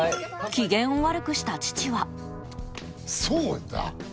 機嫌を悪くした父はそうだ！